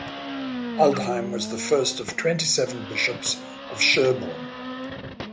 Aldhelm was the first of twenty-seven Bishops of Sherborne.